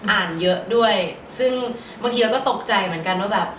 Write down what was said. อ่านเยอะด้วยซึ่งบางทีเราก็ตกใจเหมือนกันว่าแบบ